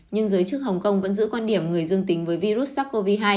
nhưng giới chức hồng kông vẫn giữ quan điểm người dương tính với virus sars cov hai